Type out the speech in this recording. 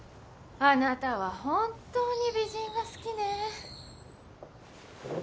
・あなたは本当に美人が好きね。